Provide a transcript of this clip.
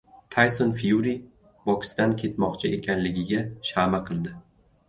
Tayson Fyuri boksdan ketmoqchi ekanligiga sha’ma qildi